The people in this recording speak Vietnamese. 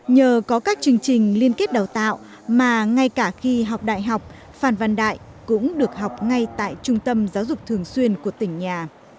nhờ có các chương trình liên kết đào tạo mà ngay cả khi học đại học phan văn đại cũng được học ngay tại trung tâm giáo dục thường xuyên của tỉnh nhà